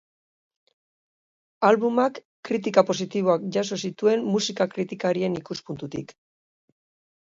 Albumak kritika positiboak jaso zituen musika kritikarien ikuspuntutik.